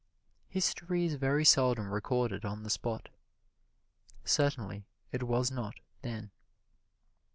History is very seldom recorded on the spot certainly it was not then.